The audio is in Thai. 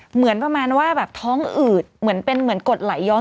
เหมือนประมาณว่าแบบท้องอืดเหมือนเป็นเหมือนกดไหลย้อน